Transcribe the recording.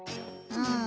うん。